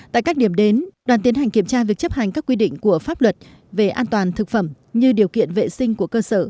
tại các điểm đến đoàn tiến hành kiểm tra việc chấp hành các quy định của pháp luật về an toàn thực phẩm như điều kiện vệ sinh của cơ sở